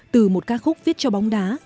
từ một ca khúc viết cho bóng đá